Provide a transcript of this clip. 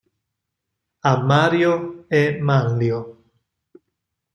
A. Mario e Manlio.